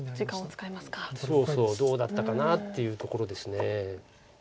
そうそうどうだったかなというところです。